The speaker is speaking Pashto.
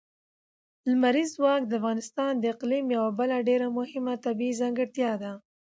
لمریز ځواک د افغانستان د اقلیم یوه بله ډېره مهمه طبیعي ځانګړتیا ده.